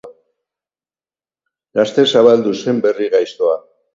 Laster zabaldu zen berri gaiztoa.